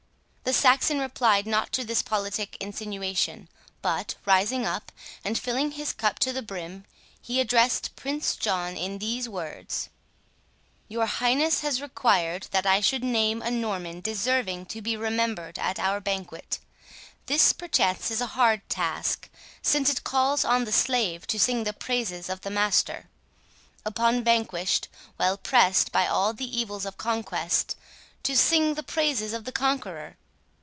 The Saxon replied not to this politic insinuation, but, rising up, and filling his cup to the brim, he addressed Prince John in these words: "Your highness has required that I should name a Norman deserving to be remembered at our banquet. This, perchance, is a hard task, since it calls on the slave to sing the praises of the master—upon the vanquished, while pressed by all the evils of conquest, to sing the praises of the conqueror.